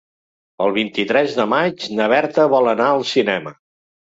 El vint-i-tres de maig na Berta vol anar al cinema.